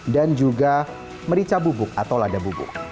dan juga merica bubuk atau lada bubuk